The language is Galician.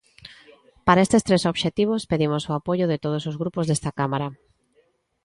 Para estes tres obxectivos pedimos o apoio de todos os grupos desta Cámara.